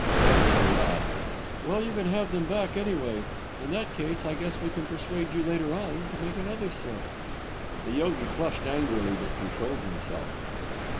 Goldberger laughed. "Well, you can have them back, anyway. In that case, I guess we can persuade you, later on, to make another set." The yogi flushed angrily, but controlled himself.